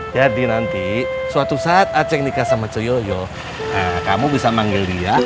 jadi nanti suatu saat aceh nikah sama coyoyo kamu bisa manggil dia